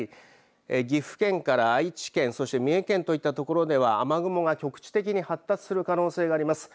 岐阜県から愛知県そして三重県といったところでは雨雲が局地的に発達する可能性があります。